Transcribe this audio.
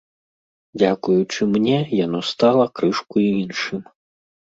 Дзякуючы мне, яно стала крышку іншым.